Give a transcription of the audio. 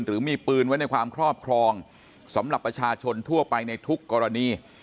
หรือมีปืนไว้ในความครอบครองสำหรับประชาชนทั่วไปในทุกกรณี